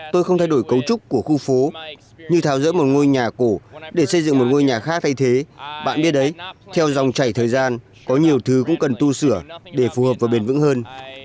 tôi không thay đổi cấu trúc của khu phố như tháo rỡ một ngôi nhà cổ để xây dựng một ngôi nhà khác thay thế bạn biết đấy theo dòng chảy thời gian có nhiều thứ cũng cần tu sửa để phù hợp và bền vững hơn